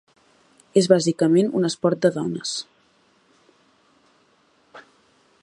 És bàsicament un esport de dones.